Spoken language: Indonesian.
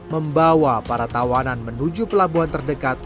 membawa para tawanan menuju pelabuhan terdekat